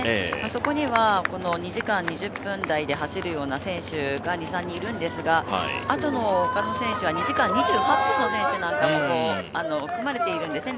そこには２時間２０分台で走るような選手が２３人いるんですが、あとのほかの選手は２時間２８分の選手なんかも含まれているんですね